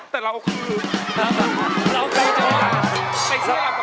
แต่เราคือ